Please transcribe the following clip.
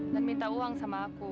dan minta uang sama aku